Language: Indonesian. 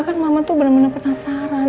kan mama tuh benar benar penasaran